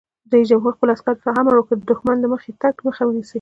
رئیس جمهور خپلو عسکرو ته امر وکړ؛ د دښمن د مخکې تګ مخه ونیسئ!